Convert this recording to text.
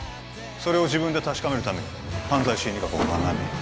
それを自分で確かめるために犯罪心理学を学び